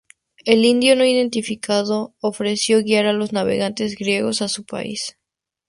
El indio, no identificado, ofreció guiar a los navegantes griegos a su país.